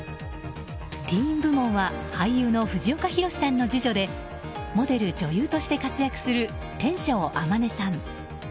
ティーン部門は俳優の藤岡弘、さんの次女でモデル・女優として活躍する天翔天音さん。